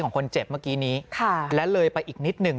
ของคนเจ็บเมื่อกี้นี้ค่ะและเลยไปอีกนิดหนึ่ง